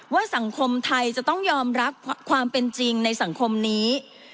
สังคมไทยจะต้องยอมรับความเป็นจริงในสังคมนี้